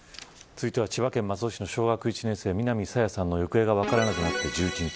続いては千葉県松戸市の小学１年生南朝芽さんの行方が分からなくなって１１日。